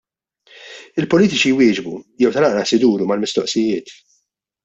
Il-politiċi jwieġbu, jew tal-anqas iduru mal-mistoqsijiet.